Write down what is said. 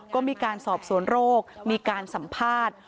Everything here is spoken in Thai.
ก็มีการสอบสวนโรคมีการสัมภาษณ์